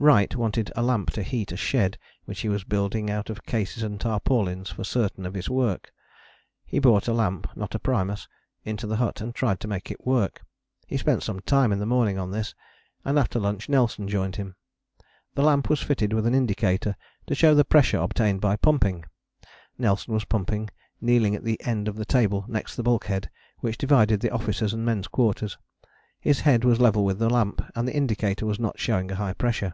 Wright wanted a lamp to heat a shed which he was building out of cases and tarpaulins for certain of his work. He brought a lamp (not a primus) into the hut, and tried to make it work. He spent some time in the morning on this, and after lunch Nelson joined him. The lamp was fitted with an indicator to show the pressure obtained by pumping. Nelson was pumping, kneeling at the end of the table next the bulkhead which divided the officers' and men's quarters: his head was level with the lamp, and the indicator was not showing a high pressure.